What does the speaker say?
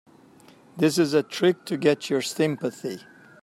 This is a trick to get your sympathy.